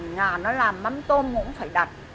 nhà nó làm mắm tôm cũng phải đặt